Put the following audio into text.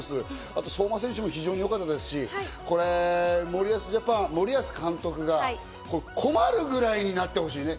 あと、相馬選手も非常によかったですし、森保ジャパン、森保監督が困るぐらいになってほしいね。